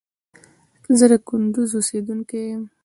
زه د کندوز اوسیدونکي یم